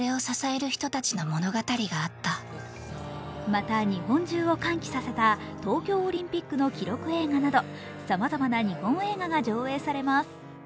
また日本中を歓喜させた東京オリンピックの記録映画などさまざまな日本映画が上映されます。